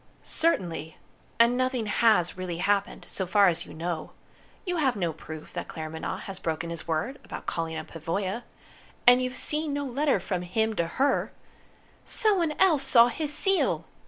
"Certainly. And nothing has really happened, so far as you know. You have no proof that Claremanagh has broken his word about calling on Pavoya. And you've seen no letter from him to her " "Someone else saw his seal!"